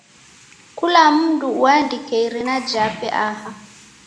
Kula mndu uandike irina jape aha.